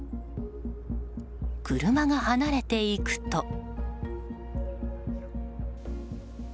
車が離れていくと。